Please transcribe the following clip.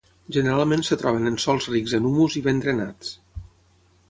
Generalment es troben en sòls rics en humus i ben drenats.